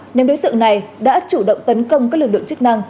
nhóm đối tượng này đã chủ động tấn công các lực lượng chức năng